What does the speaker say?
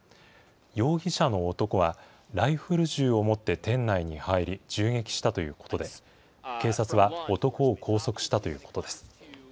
容疑者の男は、ライフル銃を持って、店内に入り、銃撃したということで、警察は男を拘束したということです。